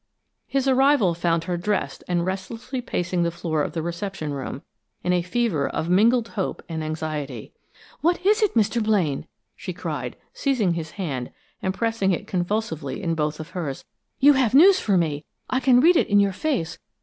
His arrival found her dressed and restlessly pacing the floor of the reception room, in a fever of mingled hope and anxiety. "What is it, Mr. Blaine?" she cried, seizing his hand and pressing it convulsively in both of hers. "You have news for me! I can read it in your face!